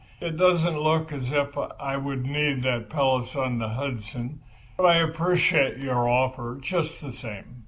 "It doesn't look as if I would need that palace on the Hudson, but I appreciate your offer, just the same."